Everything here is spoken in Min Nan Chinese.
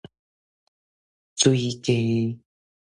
水雞